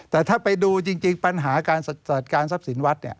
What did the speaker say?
แต่ถ้าไปดูจริงปัญหาการจัดการทรัพย์สินวัดเนี่ย